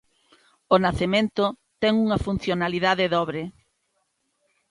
O nacemento ten unha funcionalidade dobre.